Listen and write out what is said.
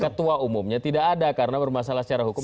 ketua umumnya tidak ada karena bermasalah secara hukum